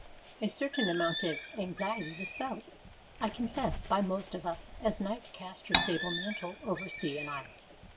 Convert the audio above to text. A certain amount of anxiety was felt, I confess, by most of us as night cast her sable mantle over sea and ice.